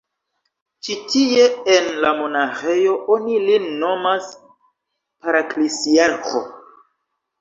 Ĉi tie, en la monaĥejo, oni lin nomas paraklisiarĥo.